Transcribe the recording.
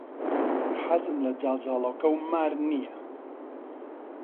حەزم لە جاڵجاڵۆکە و مار نییە.